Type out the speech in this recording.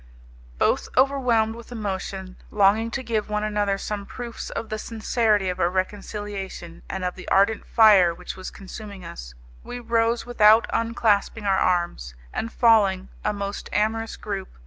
Both overwhelmed with emotion, longing to give one another some proofs of the sincerity of our reconciliation and of the ardent fire which was consuming us, we rose without unclasping our arms, and falling (a most amorous group!)